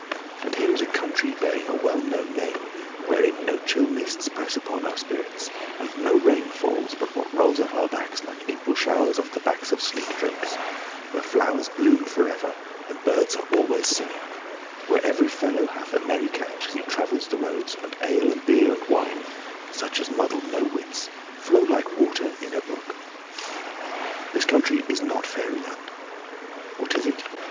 And here is a country bearing a well known name, wherein no chill mists press upon our spirits, and no rain falls but what rolls off our backs like April showers off the backs of sleek drakes; where flowers bloom forever and birds are always singing; where every fellow hath a merry catch as he travels the roads, and ale and beer and wine (such as muddle no wits) flow like water in a brook. This country is not Fairyland. What is it?